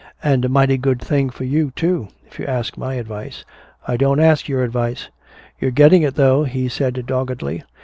And a mighty good thing for you, too if you ask my advice " "I don't ask your advice!" "You're getting it, though," he said doggedly.